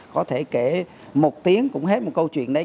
có thể kể một tiếng cũng hết một câu chuyện đấy